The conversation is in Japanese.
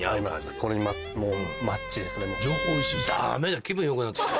これにもうマッチですね。